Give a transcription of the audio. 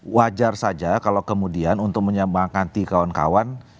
wajar saja kalau kemudian untuk menyembangkanti kawan kawan